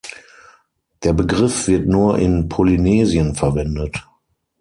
Der Begriff wird nur in Polynesien verwendet.